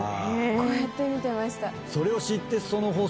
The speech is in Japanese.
こうやって見てました。